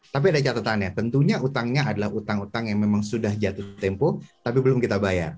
tapi ada catatannya tentunya utangnya adalah utang utang yang memang sudah jatuh tempo tapi belum kita bayar